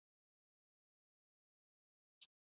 出生于宾夕法尼亚州的布卢姆斯堡。